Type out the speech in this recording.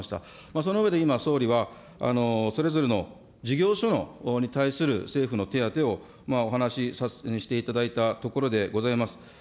その上で今、総理はそれぞれの事業所に対する政府の手当をお話していただいたところでございます。